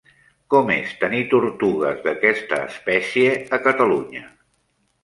Com és tenir tortugues d'aquesta espècie a Catalunya?